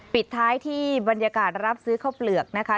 ปิดท้ายที่บรรยากาศรับซื้อข้าวเปลือกนะคะ